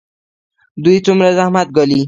دوی څومره زحمت ګالي؟